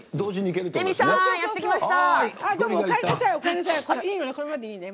レミさんやってきました！